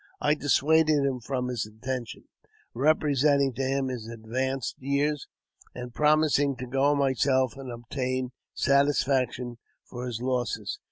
I dissuaded him from his intention, representing to him his advanced years, and promising to go myself and obtain satisfaction for his losses.